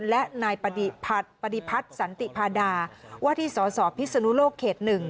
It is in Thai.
และนายปฏิพัฒน์สันติพาดาว่าที่สสพิศนุโลกเขต๑